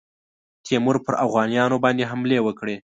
تیمور پر اوغانیانو باندي حملې وکړې.